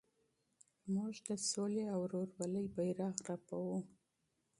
موږ د سولې او ورورولۍ بیرغ لېږدوو.